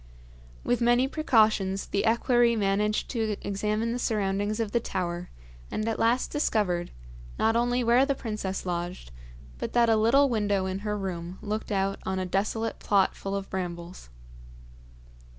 With many precautions the equerry managed to examine the surroundings of the tower, and at last discovered, not only where the princess lodged, but that a little window in her room looked out on a desolate plot full of brambles.